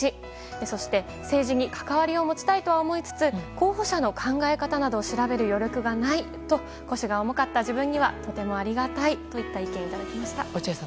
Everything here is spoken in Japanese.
そして政治に関わりを持ちたいと思いつつ候補者の考え方などを調べる余力がないと腰が重かった自分にはとてもありがたいという落合さん